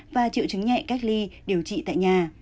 và triệu chứng nhẹ cách ly điều trị tại nhà